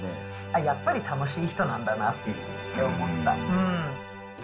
やっぱり楽しい人なんだなって思った。